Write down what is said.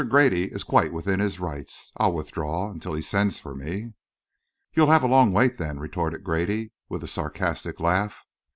Grady is quite within his rights. I'll withdraw until he sends for me." "You'll have a long wait, then!" retorted Grady, with a sarcastic laugh.